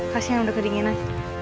kasihnya udah kedinginan